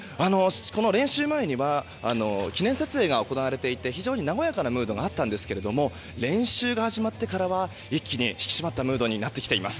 練習前には記念撮影が行われ和やかなムードがあったんですが練習が始まってからは一気に引き締まったムードになっています。